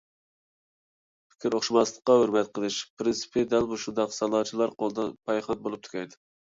پىكىر ئوخشاشماسلىققا ھۆرمەت قىلىش پىرىنسىپى دەل مۇشۇنداق سالاچىلار قولىدا پايخان بولۇپ تۈگەيدۇ.